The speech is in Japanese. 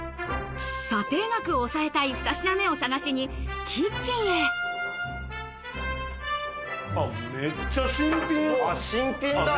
査定額を抑えたい２品目を探しにキッチンへ新品だ。